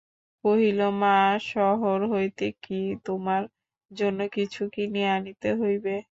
কহিল, মা, শহর হইতে কি তোমার জন্য কিছু কিনিয়া আনিতে হইবে?